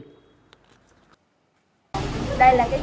dù chỉ là di tích cấp tỉnh